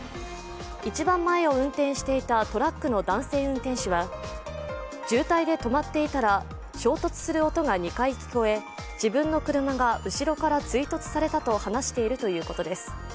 一番前を運転していたトラックの男性運転手は、渋滞で止まっていたら衝突する音が２回聞こえ、自分の車が後ろから追突されたと話しているということです。